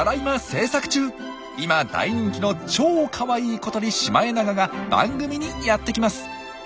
今大人気の超かわいい小鳥シマエナガが番組にやってきます！